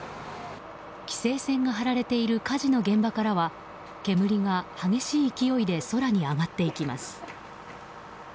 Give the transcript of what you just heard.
規制線が張られている火事の現場からは煙が激しい勢いで空に上がっていきます。